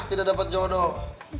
tidak dapat jodoh